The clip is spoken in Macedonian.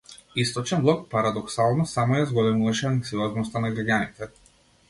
Источен блок, парадоксално, само ја зголемуваше анксиозноста на граѓаните.